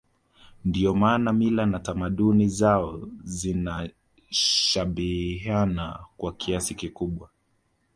Ndio maana mila na tamaduni zao zinashabihiana kwa kiasi kikubwa